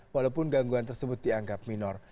walaupun gangguan tersebut dianggap minor